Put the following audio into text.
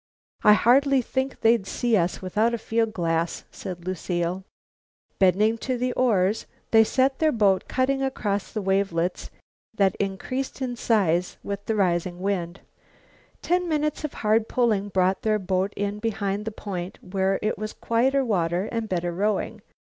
"I hardly think they'd see us without a field glass," said Lucile. Bending to the oars they set their boat cutting across the wavelets that increased in size with the rising wind. Ten minutes of hard pulling brought their boat in behind the point, where it was quieter water and better rowing.